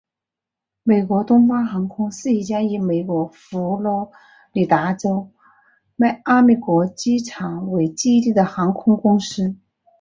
美国东方航空是一家以美国佛罗里达州迈阿密国际机场为基地的航空公司。